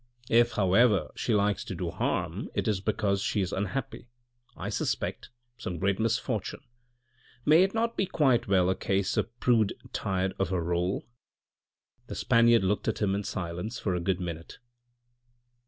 If, however, she likes to do harm, it is because she is unhappy, I suspect some secret misfortune. May it not be quite well a case of prude tired of her role ?" The Spaniard looked at him in silence for a good minute.